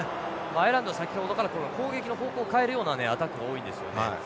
アイルランド先ほどから攻撃の方向を変えるようなアタックが多いんですよね。